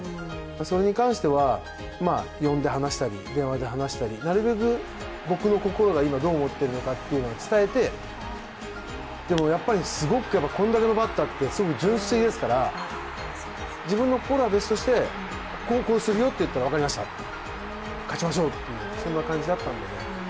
それに関しては、呼んで話したり、電話で話したりなるべく僕の心が今、どう思っているのかは伝えて、でも、これだけのバッターってすごく純粋ですから、自分の心は別として、ここはこうするよって言ったら分かりました、勝ちましょうってそんな感じだったんで。